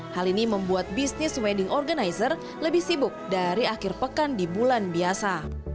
hal ini membuat bisnis wedding organizer lebih sibuk dari akhir pekan di bulan biasa